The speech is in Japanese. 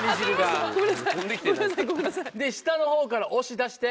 で下の方から押し出して。